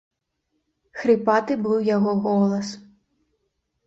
Хрыпаты быў яго голас!